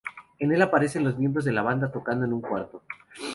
En el aparecen los miembros de la banda tocando en un cuarto.